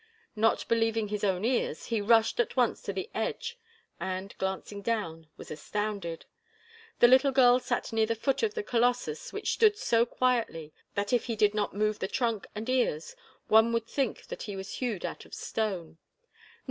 Not believing his own ears, he rushed at once to the edge and, glancing down, was astounded. The little girl sat near the foot of the colossus which stood so quietly that if he did not move the trunk and ears, one would think that he was hewed out of stone.